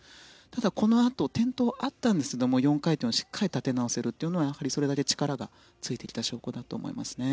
ただ、このあと転倒はあったんですけども４回転をしっかり立て直せるというのはそれだけ力がついてきた証拠だと思いますね。